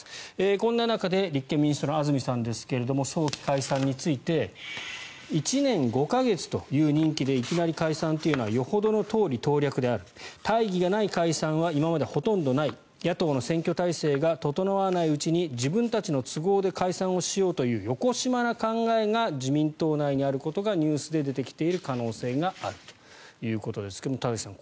こんな中で立憲民主党の安住さんですが早期解散について１年５か月という任期でいきなり解散というのはよほどの党利党略である大義がない解散は今までほとんどない野党の選挙態勢が整わないうちに自分たちの都合で解散をしようというよこしまな考えが自民党内にあることがニュースで出てきている可能性があるということですが田崎さん